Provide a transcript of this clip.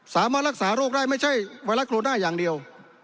สามารถรักษาโรคได้ไม่ใช่ไวรัสโรนาอย่างเดียว